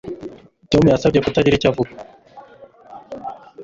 Tom yansabye kutagira icyo mvuga